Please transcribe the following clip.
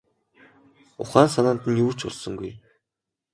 Ухаан санаанд нь юу ч орсонгүй.